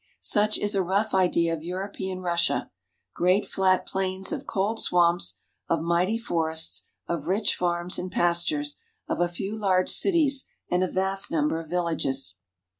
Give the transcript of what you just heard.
Such is a rough idea of European Russia : great flat plains of cold swamps, of mighty forests, of rich farms and pastures, of a few large cities, and a vast number of villages.